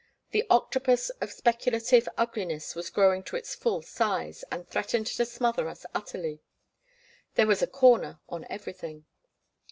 The octopus of speculative ugliness was growing to its full size, and threatened to smother us utterly. There was a "corner" on everything.